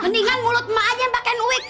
mendingan mulut mbak aja yang pakai wik